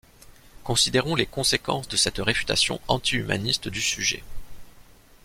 Considérons les conséquences de cette réfutation anti-humaniste du sujet.